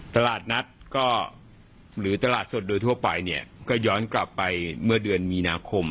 ตลาดนัดก็หรือตลาดสดโดยทั่วไปเนี่ยก็ย้อนกลับไปเมื่อเดือนมีนาคม